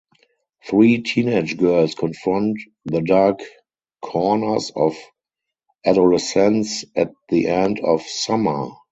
Three teenage girls confront the dark corners of adolescence at the end of summer.